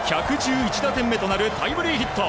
１１１打点目となるタイムリーヒット。